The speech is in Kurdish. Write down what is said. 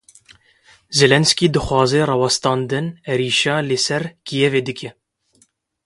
Zelenesky daxwaza rawestandina êrişa li ser Kîevê dike.